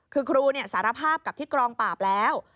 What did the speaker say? คือครูสารภาพกับที่กองปราบแล้ว